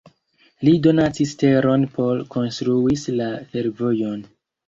Li donacis teron por konstruis la fervojon.